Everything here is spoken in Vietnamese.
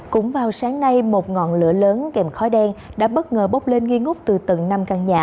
cũng vào sáng nay một ngọn lửa lớn kèm khói đen đã bất ngờ bốc lên nghi ngút từ tầng năm căn nhà